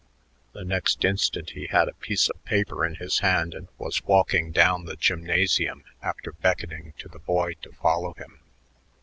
The next instant he had a piece of paper in his hand and was, walking down the gymnasium after beckoning to the boy to follow him.